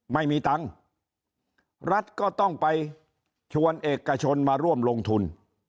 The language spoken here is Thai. ไม่มีตังค์รัฐก็ต้องไปชวนเอกชนมาร่วมลงทุน